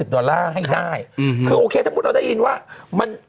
ดอลลาร์ให้ได้คือโอเคถ้ามุติเราได้ยินว่ามัน